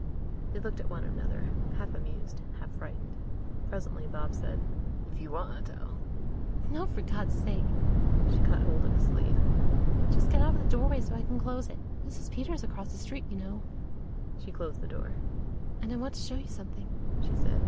They looked at one another, half amused half frightened. Presently Bob said, "If you want, I'll " "No, for God's sake." She caught hold of his sleeve. "Just get out of the doorway so I can close it. Mrs. Peters across the street, you know." She closed the door. "And I want to show you something," she said.